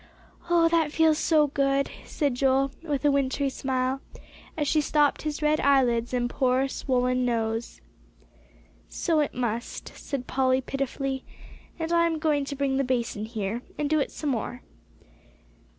"Oh, that feels so good!" said Joel, with a wintry smile, as she sopped his red eyelids and poor, swollen nose. "So it must," said Polly pitifully, "and I'm going to bring the basin here, and do it some more."